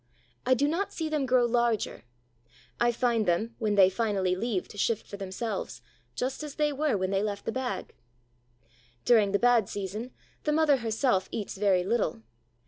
I do not see them grow larger. I find them, when they finally leave to shift for themselves, just as they were when they left the bag. During the bad season, the mother herself eats very little.